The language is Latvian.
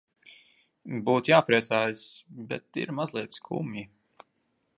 Būtu jāpriecājas, bet ir mazliet skumji.